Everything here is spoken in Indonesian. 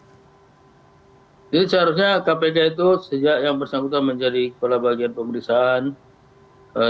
jadi seharusnya kpk itu sejak yang bersangkutan menjadi kepala bagian pemeriksaan